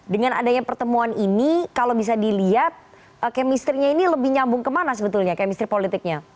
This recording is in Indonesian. dengan adanya pertemuan ini kalau bisa dilihat kemistrinya ini lebih nyambung kemana sebetulnya kemistri politiknya